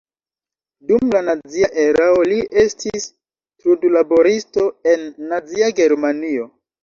Dum la nazia erao li estis trudlaboristo en Nazia Germanio.